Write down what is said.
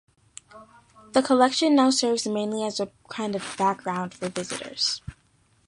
The collection now serves mainly as a kind of "background" for visitors.